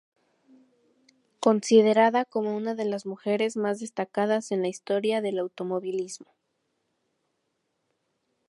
Considerada como una de las mujeres más destacadas en la historia del automovilismo.